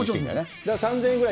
だから３０００円ぐらい。